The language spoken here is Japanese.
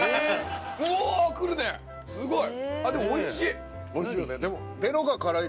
すごい！